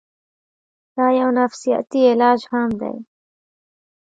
دا يو نفسياتي علاج هم دے